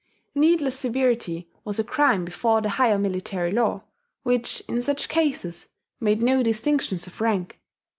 Needless severity was a crime before the higher military law, which, in such cases, made no distinctions of rank.